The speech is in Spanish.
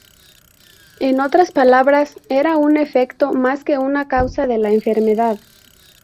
En otras palabras, era un efecto, más que una causa de la enfermedad.